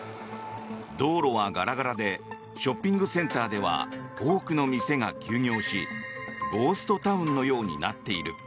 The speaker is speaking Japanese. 道路はガラガラでショッピングセンターでは多くの店が休業しゴーストタウンのようになっている。